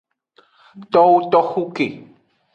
Towo toxu ke.